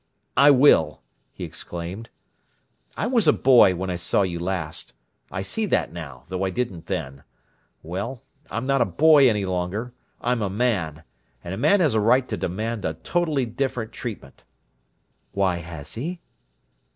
"I will!" he exclaimed. "I was a boy when I saw you last. I see that now, though I didn't then. Well, I'm not a boy any longer. I'm a man, and a man has a right to demand a totally different treatment." "Why has he?"